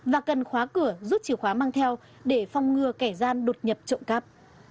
và cần khóa cửa rút chìa khóa mang theo để phong ngừa kẻ gian đột nhập trộm cắp